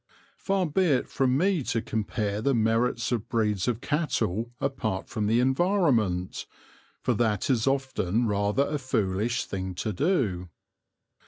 Far be it from me to compare the merits of breeds of cattle apart from environment, for that is often rather a foolish thing to do.